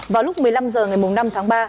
vào lúc một mươi năm h ngày năm tháng ba